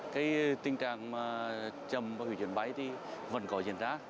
cái tình trạng chậm và hủy chuyến bay vẫn có diễn ra